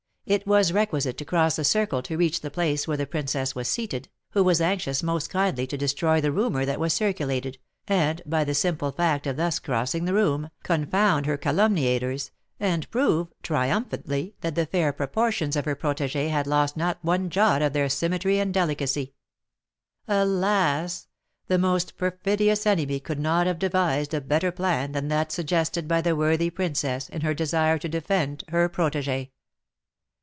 It was requisite to cross the circle to reach the place where the princess was seated, who was anxious most kindly to destroy the rumour that was circulated, and, by the simple fact of thus crossing the room, confound her calumniators, and prove triumphantly that the fair proportions of her protégée had lost not one jot of their symmetry and delicacy. Alas! the most perfidious enemy could not have devised a better plan than that suggested by the worthy princess in her desire to defend her protégée.